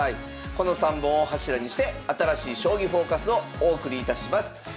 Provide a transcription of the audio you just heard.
この３本を柱にして新しい「将棋フォーカス」をお送りいたします。